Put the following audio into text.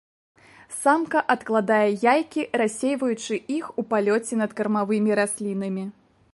Самка адкладае яйкі рассейваючы іх у палёце над кармавымі раслінамі.